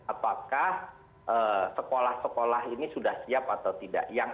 apakah sekolah sekolah ini sudah siap atau tidak